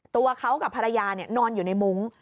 ตัวเขากับภรรยานอนอยู่ในมุ้ง